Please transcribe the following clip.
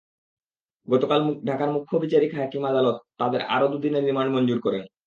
গতকাল ঢাকা মুখ্য বিচারিক হাকিম আদালত তাঁদের আরও দুদিনের রিমান্ড মঞ্জুর করেন।